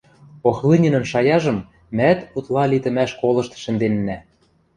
Охлынинӹн шаяжым мӓӓт утла литӹмӓш колышт шӹнденнӓ.